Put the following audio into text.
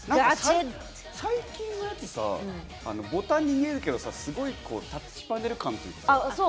最近のやつはボタンに見えるけどタッチパネル感というか。